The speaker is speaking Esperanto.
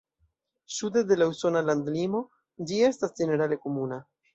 Sude de la usona landlimo ĝi estas ĝenerale komuna.